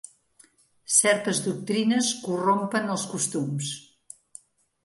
Certes doctrines corrompen els costums.